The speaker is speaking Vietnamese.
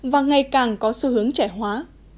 và ngày càng có xu hướng trẻ hóa